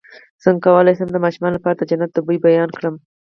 څنګه کولی شم د ماشومانو لپاره د جنت د بوی بیان کړم